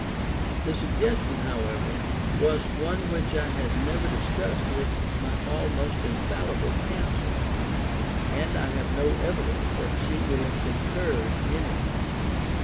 The suggestion, however, was one which I had never discussed with my almost infallible counsellor, and I have no evidence that she would have concurred in it.